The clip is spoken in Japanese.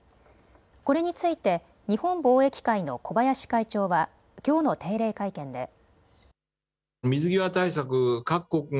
これについて日本貿易会の小林会長はきょうの定例会見で。